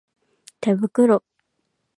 手袋